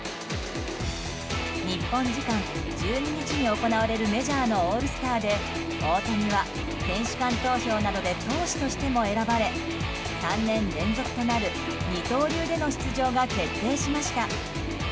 日本時間１２日に行われるメジャーのオールスターで大谷は選手間投票などで投手としても選ばれ３年連続となる二刀流での出場が決定しました。